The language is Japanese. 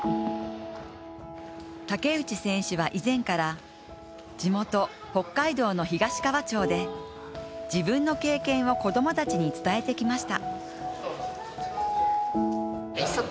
竹内選手は以前から地元北海道の東川町で自分の経験を子どもたちに伝えてきました